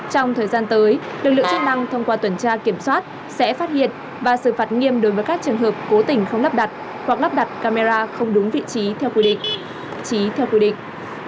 trong thời gian tới lực lượng chức năng thông qua tuần tra kiểm soát sẽ phát hiện và xử phạt nghiêm đối với các trường hợp cố tình không lắp đặt hoặc lắp đặt camera không đúng vị trí theo quy định trí theo quy định